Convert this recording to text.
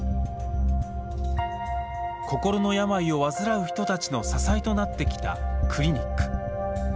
心の病を患う人たちの支えとなってきたクリニック。